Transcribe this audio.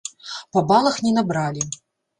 Па балах не набралі.